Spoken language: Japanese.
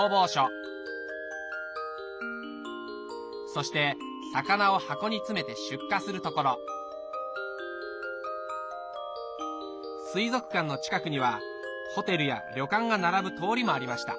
そして魚を箱に詰めて出荷する所水族館の近くにはホテルや旅館が並ぶ通りもありました